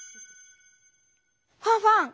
ファンファン！